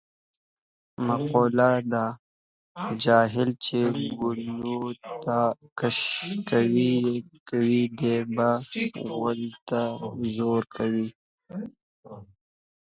مقوله ده: جاهل چې ګلوته کش کوې دی به غولو ته زور کوي.